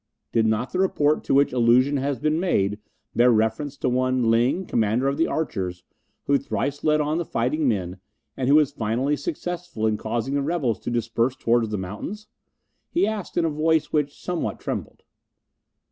"Did not the report to which allusion has been made bear reference to one Ling, Commander of the Archers, who thrice led on the fighting men, and who was finally successful in causing the rebels to disperse towards the mountains?" he asked, in a voice which somewhat trembled.